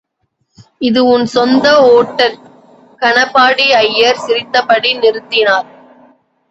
இது உன் சொந்த ஓட்டல்!.. கனபாடி ஐயர் சிரித்தபடி நிறுத்தினார்.